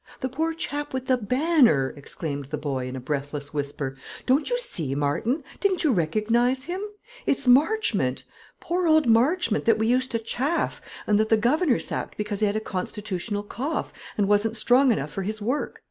"The poor chap with the banner!" exclaimed the boy, in a breathless whisper; "don't you see, Martin? didn't you recognise him? It's Marchmont, poor old Marchmont, that we used to chaff, and that the governor sacked because he had a constitutional cough, and wasn't strong enough for his work."